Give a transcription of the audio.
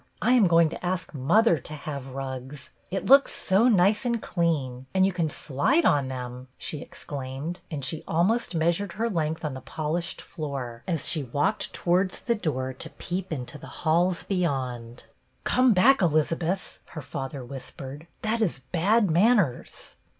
I am going to ask mother to have rugs. It looks so nice and clean ; and you can slide on them !" she exclaimed ; and she almost meas ured her length on the polished floor, as she walked towards the door to peep into the halls beyond. " Come back, Elizabeth," her father whis pered. " That is bad manners."